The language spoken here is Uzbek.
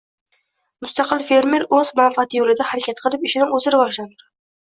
Mustaqil fermer o‘z manfaati yo‘lida harakat qilib, ishini o‘zi rivojlantiradi.